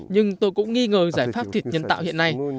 nhưng tôi cũng nghi ngờ giải pháp thịt nhân tạo hiện nay